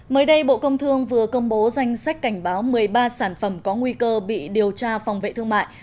mới đây bộ công thương vừa công bố danh sách cảnh báo một mươi ba sản phẩm có nguy cơ bị điều tra phòng vệ thương mại